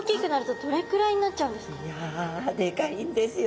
いやでかいんですよ。